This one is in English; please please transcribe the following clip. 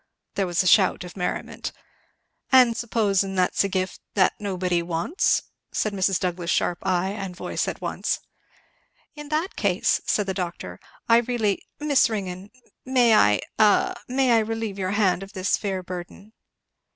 There was a shout of merriment. "And suppos'n that's a gift that nobody wants?" said Mrs, Douglass's sharp eye and voice at once. "In that case," said the doctor, "I really Miss Ringgan, may I a may I relieve your hand of this fair burden?"